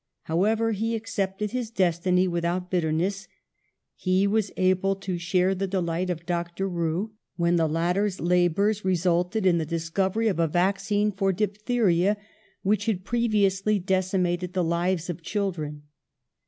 However, he accepted his destiny without bitterness. He was able to share the delight of Dr. Roux when 205 206 PASTEUR the latter's labours resulted in the discovery of a vaccine for diphtheria^ which had previ ously decimated the lives of children.